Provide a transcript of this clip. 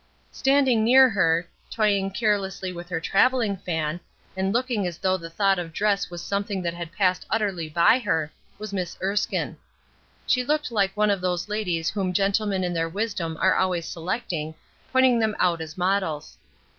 Standing near her, toying carelessly with her traveling fan, and looking as though the thought of dress was something that had passed utterly by her, was Miss Erskine. She looked like one of those ladies whom gentlemen in their wisdom are always selecting, pointing them out as models.